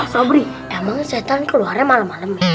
sabri emang setan keluarnya malem malem